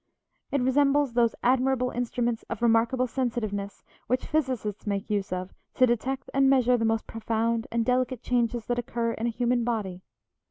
It resembles those admirable instruments of remarkable sensitiveness which physicists make use of to detect and measure the most profound and delicate changes that occur in a human body.